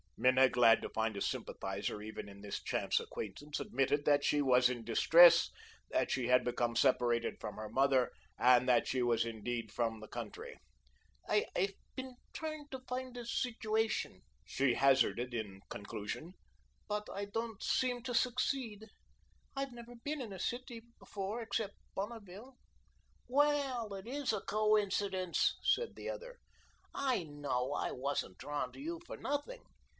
Minna, glad to find a sympathiser, even in this chance acquaintance, admitted that she was in distress; that she had become separated from her mother, and that she was indeed from the country. "I've been trying to find a situation," she hazarded in conclusion, "but I don't seem to succeed. I've never been in a city before, except Bonneville." "Well, it IS a coincidence," said the other. "I know I wasn't drawn to you for nothing.